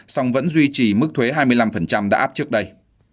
song vẫn duy trì mức thuế hai mươi năm đã áp trước đây